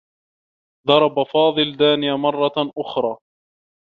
ضرب فاضل دانية مرّة أخرى.